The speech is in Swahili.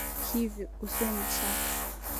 Hiyo usiwe na shaka